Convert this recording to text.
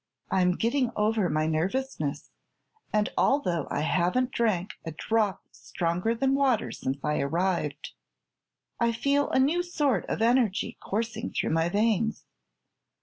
"I'm getting over my nervousness, and although I haven't drank a drop stronger than water since I arrived. I feel a new sort of energy coursing through my veins.